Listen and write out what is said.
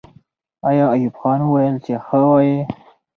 آیا ایوب خان وویل چې ښه وایي؟